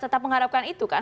tetap mengharapkan itu kan